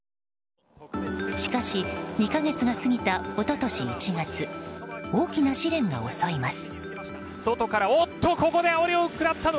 しかし２か月が過ぎた一昨年１月大きな試練が襲います。